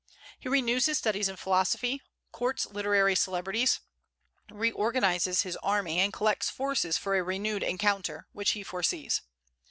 He renews his studies in philosophy, courts literary celebrities, reorganizes his army, and collects forces for a renewed encounter, which he foresees.